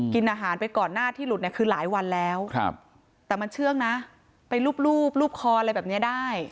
กินอาหารไปก่อนหน้าที่หลุดเนี่ยคือหลายวันแล้วแต่มันเชื่องนะไปรูปคออะไรแบบนี้ได้